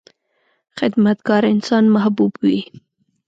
• خدمتګار انسان محبوب وي.